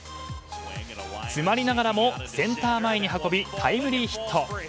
詰まりながらもセンター前に運びタイムリーヒット。